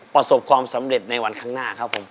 ประสบความสำเร็จในวันข้างหน้าครับผม